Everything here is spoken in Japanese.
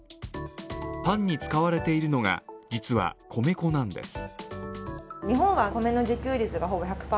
パンに使われているのが実は、米粉なんです。